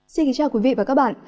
xin kính chào quý vị và các bạn